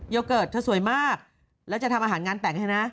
เกิดเธอสวยมากแล้วจะทำอาหารงานแต่งให้นะ